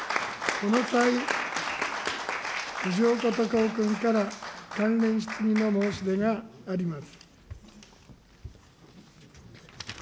この際、大西健介君から関連質疑の申し出があります。